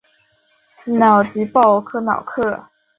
瑙吉鲍科瑙克。